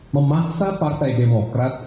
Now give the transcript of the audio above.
memaksa partai demokrat